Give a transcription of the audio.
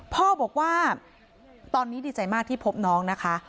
พ่อบอกว่าตอนนี้ดีใจมากที่พบน้องนะคะ